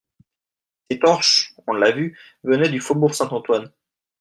Ces torches, on l'a vu, venaient du faubourg Saint-Antoine.